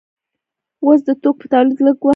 اوس د توکو په تولید لږ وخت لګیږي.